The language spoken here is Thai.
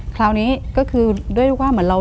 คราวนี้ก็คือด้วยลูกว่าเหมือนเรา